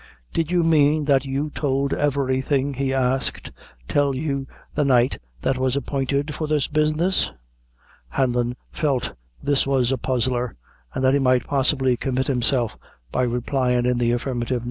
"Did the man that tould you everything," he asked, "tell you the night that was appointed for this business?" Hanlon felt this was a puzzler, and that he might possibly commit himself by replying in the affirmative.